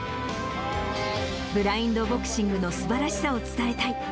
ブラインドボクシングのすばらしさを伝えたい。